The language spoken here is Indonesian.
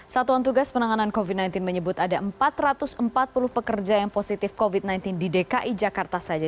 satuan tugas penanganan covid sembilan belas menyebut ada empat ratus empat puluh pekerja yang positif covid sembilan belas di dki jakarta saja